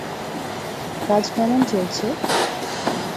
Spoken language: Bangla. কাজ কেমন চলছে?